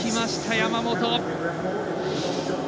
山本。